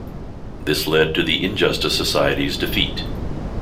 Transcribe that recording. This led to the Injustice Society's defeat.